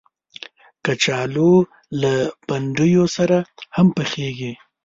کچالو له بنډیو سره هم پخېږي